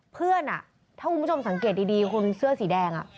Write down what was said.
เพื่อนถ้าคุณผู้ชมสังเกตดีคนเสื้อสีแดง